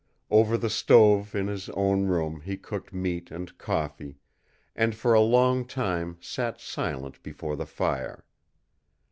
Over the stove in his own room he cooked meat and coffee, and for a long time sat silent before the fire.